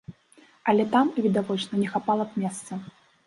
Але там, відавочна, не хапала б месца.